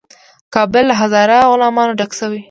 کابل له هزاره غلامانو ډک شو.